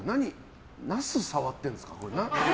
ナス触ってるんですか？